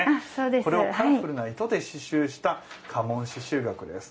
これをカラフルな糸で刺しゅうした家紋刺繍額です。